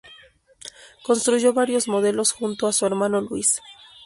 Construyó varios modelos junto a su hermano Luis.